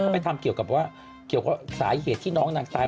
ไปทำเกี่ยวกับว่าเกี่ยวกับสาเหตุที่น้องนางตาย